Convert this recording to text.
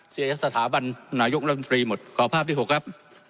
เสียสถาบันนายกรัฐมนตรีหมดขอภาพที่๖ครับ